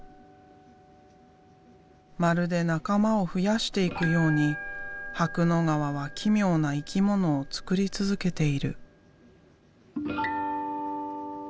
まるで仲間を増やしていくようにはくのがわは奇妙な生き物を創り続けている。